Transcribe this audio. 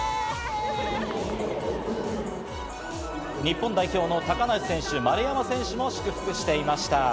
日本代表の高梨選手、丸山選手も祝福していました。